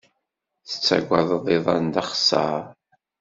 Tettaggad iḍan d axeṣṣar.